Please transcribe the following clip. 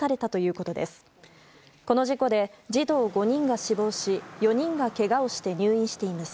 この事故で児童５人が死亡し４人がけがをして入院しています。